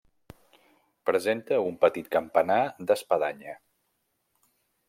Presenta un petit campanar d'espadanya.